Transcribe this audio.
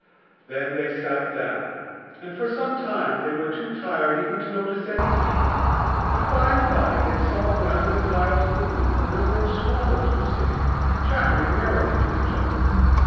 Then they sat down, and for some time they were too tired even to notice anything; but by and by they saw that under the tiles of the roof a number of swallows were sitting, chattering merrily to each other.